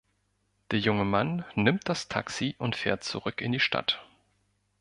Der junge Mann nimmt das Taxi und fährt zurück in die Stadt.